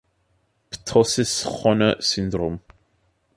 Ptosis, Horner-Syndrom